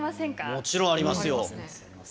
もちろんありますよ。